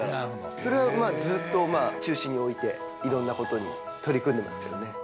それをずっと中心においていろんなことに取り組んでいますけどね。